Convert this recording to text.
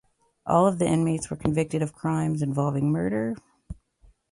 All of the inmates were convicted of crimes involving murder.